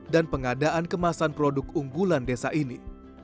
dan pengadaan kemasan produk unggulan desa ini